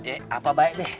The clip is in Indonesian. eh apa baik deh